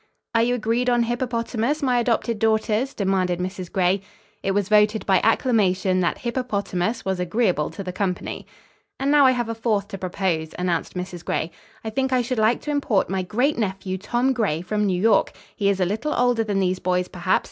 "Are you agreed on Hippopotamus, my adopted daughters?" demanded Mrs. Gray. It was voted by acclamation, that Hippopotamus was agreeable to the company. "And now, I have a fourth to propose," announced Mrs. Gray. "I think I should like to import my great nephew, Tom Gray, from New York. He is a little older than these boys, perhaps.